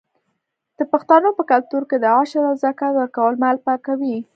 د پښتنو په کلتور کې د عشر او زکات ورکول مال پاکوي.